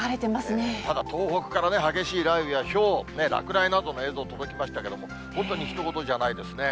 ただ、東北から激しい雷雨やひょう、落雷などの映像届きましたけれども、本当にひと事じゃないですね。